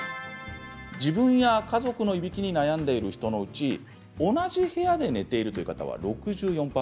自分や家族のいびきに悩んでいる人のうち同じ部屋で寝ているという方は６４％。